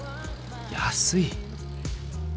安い。